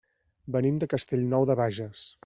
Venim de Castellnou de Bages.